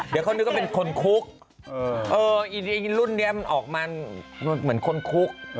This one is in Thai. เดี๋ยวเขานึกว่าเป็นคนคุกรุ่นนี้มันออกมาเหมือนคนคุก